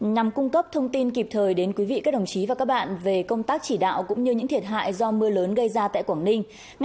nhằm cung cấp thông tin kịp thời đến quý vị các đồng chí và các bạn về công tác chỉ đạo cũng như những thiệt hại do mưa lớn gây ra tại quảng ninh